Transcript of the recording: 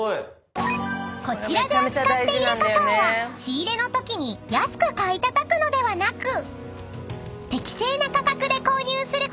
［こちらで扱っているカカオは仕入れのときに安く買いたたくのではなく］